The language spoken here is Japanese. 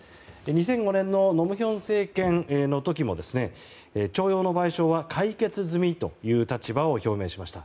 ２００５年の盧武鉉政権の時も徴用の賠償は解決済みという立場を表明しました。